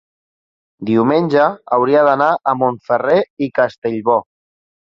diumenge hauria d'anar a Montferrer i Castellbò.